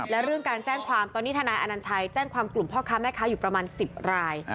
และเรื่องการแจ้งความตอนนี้ทนายอนัญชัยแจ้งความกลุ่มพ่อค้าแม่ค้าอยู่ประมาณ๑๐ราย